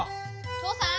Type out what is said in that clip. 父さん？